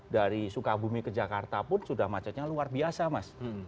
dari sukabumi ke jakarta pun sudah macetnya luar biasa mas